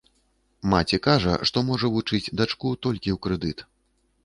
Маці кажа, што можа вучыць дачку толькі ў крэдыт.